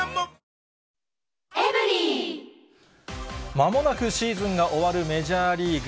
まもなくシーズンが終わるメジャーリーグ。